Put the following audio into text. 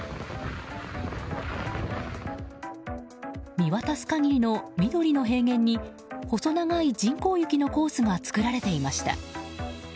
見渡す限りの緑の平原に細長い人工雪のコースが作られていました。